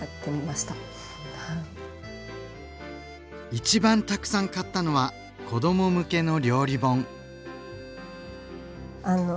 一番たくさん買ったのは子ども向けの料理本。